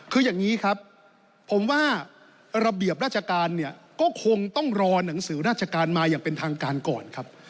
คืออย่างนี้ครับผมว่าระเบียบราชการเนี่ยก็คงต้องรอหนังสือราชการมาอย่างเป็นทางการก่อนครับ